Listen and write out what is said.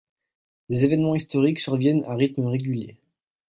Des événements historiques surviennent à rythme régulier.